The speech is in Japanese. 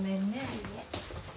いいえ。